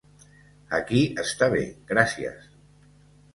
Aquí està bé, gràcies.